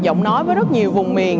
giọng nói với rất nhiều vùng miền